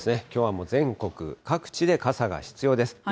きょうはもう全国各地で傘が必要です。